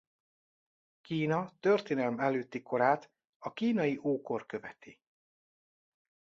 Kína történelem előtti korát a kínai ókor követi.